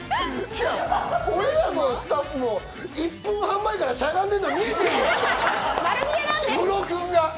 俺らもスタッフも１分半前からしゃがんでいるの、見えてんだよ、ムロ君が。